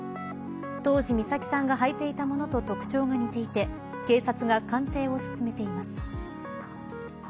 当時、美咲さんがはいていたものと特徴が似ていて警察が鑑定を進めています。